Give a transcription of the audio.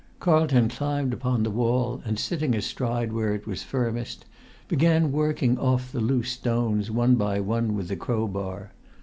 Carlton climbed upon the wall, and, sitting astride where it was firmest, began working off the loose stones one by one with the crowbar.